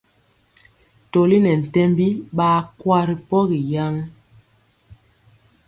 Toli nɛ ntɛmbi ɓaa kwa ri pogi yaŋ.